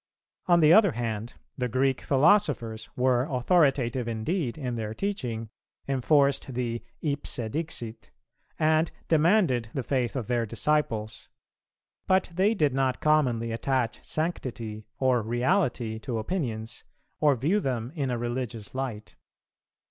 On the other hand, the Greek Philosophers were authoritative indeed in their teaching, enforced the "Ipse dixit," and demanded the faith of their disciples; but they did not commonly attach sanctity or reality to opinions, or view them in a religious light.